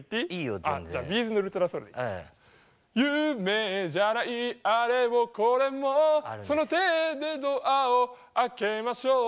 「夢じゃないあれもこれもその手でドアを開けましょう」